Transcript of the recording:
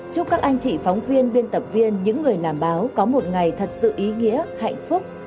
chúc các anh chị phóng viên biên tập viên những người làm báo có một ngày thật sự ý nghĩa hạnh phúc